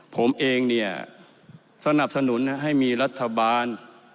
ผมเองเนี่ยสนับสนุนให้มีรัฐบาล